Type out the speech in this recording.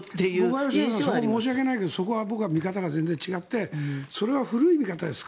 僕は吉永さん申し訳ないけどそこは見方が全然違ってそれは古い見方です。